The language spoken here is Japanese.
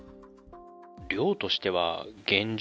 量としては、現状